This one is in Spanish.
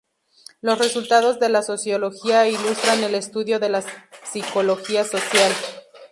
Los resultados de la sociología ilustran el estudio de la psicología social.